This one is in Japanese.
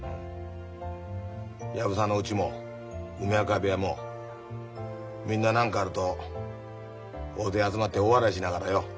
藪沢のうちも梅若部屋もみんな何かあると大勢集まって大笑いしながらよ